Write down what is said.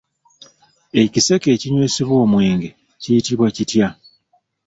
Ekiseke ekinywesebwa omwenge kiyitibwa kitya?